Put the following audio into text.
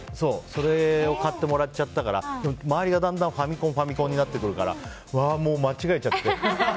それを買ってもらっちゃったから周りがだんだんファミコンになってくるから間違えちゃって。